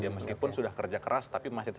ya meskipun sudah kerja keras tapi masih tetap